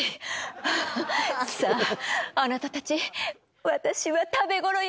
アハハさああなたたち私は食べ頃よ！